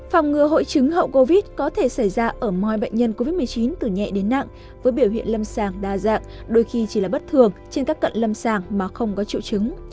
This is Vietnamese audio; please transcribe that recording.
phòng ngừa hội chứng hậu covid có thể xảy ra ở mọi bệnh nhân covid một mươi chín từ nhẹ đến nặng với biểu hiện lâm sàng đa dạng đôi khi chỉ là bất thường trên các cận lâm sàng mà không có triệu chứng